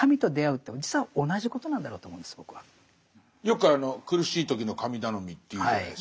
よくあの苦しい時の神頼みと言うじゃないですか。